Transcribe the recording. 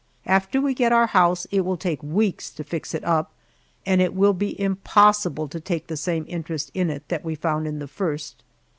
After we get our house, it will take weeks to fix it up, and it will be impossible to take the same interest in it that we found in the first.